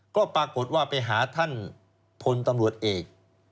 ก็ปรากฏว่าไปหาท่านพลตำรวจเอก